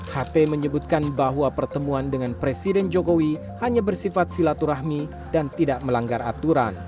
ht menyebutkan bahwa pertemuan dengan presiden jokowi hanya bersifat silaturahmi dan tidak melanggar aturan